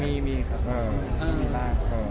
จะมีครับ